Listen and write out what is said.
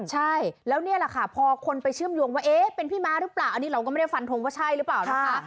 ใช่แล้วนี่แหละค่ะพอคนไปเชื่อมโยงว่าเอ๊ะเป็นพี่ม้าหรือเปล่าอันนี้เราก็ไม่ได้ฟันทงว่าใช่หรือเปล่านะคะ